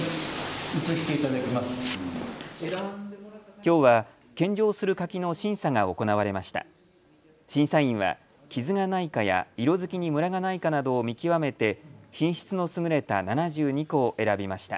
きょうは献上する柿の審査が行われました。